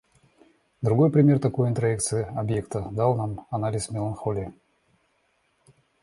Другой пример такой интроекции объекта дал нам анализ меланхолии.